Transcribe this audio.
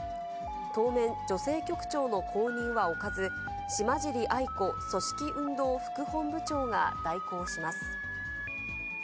当面、女性局長の後任は置かず、島尻安伊子組織運動副本部長が代行します。